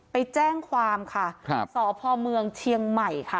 ไปแจ้งความค่ะครับสพเมืองเชียงใหม่ค่ะ